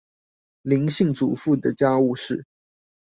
林姓主婦的家務事